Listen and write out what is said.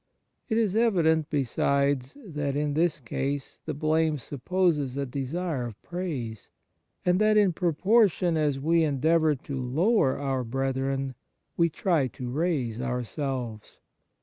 It is evident, besides, that in this case the blame supposes a desire of praise, and that in proportion as we endeavour to lower our brethren we try to raise ourselves.